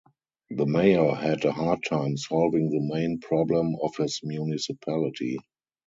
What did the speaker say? The mayor had a hard time solving the main problem of his municipality.